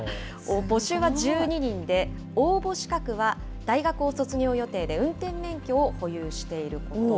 募集は１２人で、応募資格は大学を卒業予定で運転免許を保有していること。